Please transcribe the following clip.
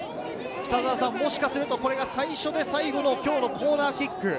もしかするとこれが最初で最後の今日のコーナーキック。